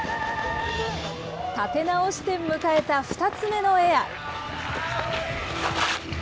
立て直して迎えた２つ目のエア。